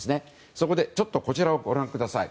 そこで、こちらをご覧ください。